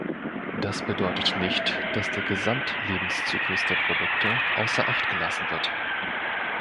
Das bedeutet nicht, dass der Gesamtlebenszyklus der Produkte außer Acht gelassen wird.